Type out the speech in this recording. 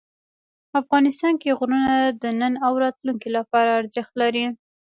افغانستان کې غرونه د نن او راتلونکي لپاره ارزښت لري.